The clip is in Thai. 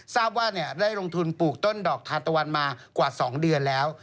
ทราบว่าได้ลงทุนปลูกต้นดอกทานตะวันมากว่า๒เดือนแล้ว